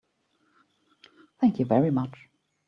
Thank you very much.